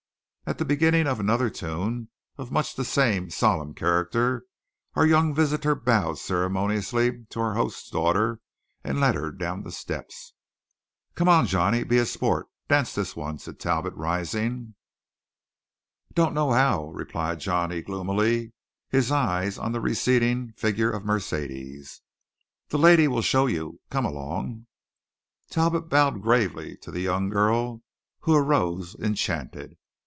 At the beginning of another tune, of much the same solemn character, our young visitor bowed ceremoniously to our host's daughter, and led her down the steps. "Come on, Johnny, be a sport. Dance this one," said Talbot rising. "Don't know how," replied Johnny gloomily, his eyes on the receding figure of Mercedes. "The lady'll show you. Come along!" Talbot bowed gravely to the young girl, who arose enchanted.